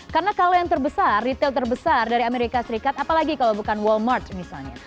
karena kalau yang terbesar retail terbesar dari amerika serikat apalagi kalau bukan walmart misalnya